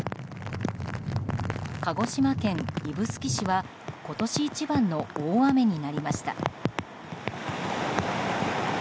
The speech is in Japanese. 鹿児島県指宿市は今年一番の大雨になりました。